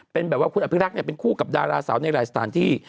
เป็นแบบว่าคุณอภิรักษ์เป็นคู่กับดาราสาวในหลายสถานที่